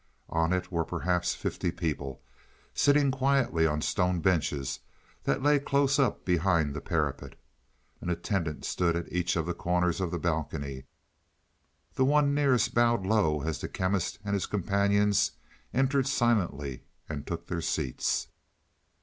On it were perhaps fifty people, sitting quietly on stone benches that lay close up behind the parapet. An attendant stood at each of the corners of the balcony; the one nearest bowed low as the Chemist and his companions entered silently and took their seats.